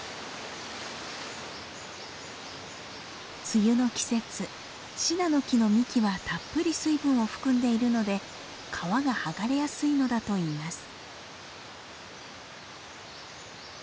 梅雨の季節シナノキの幹はたっぷり水分を含んでいるので皮が剥がれやすいのだといいます。